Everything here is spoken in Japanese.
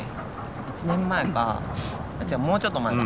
１年前か違うもうちょっと前だ。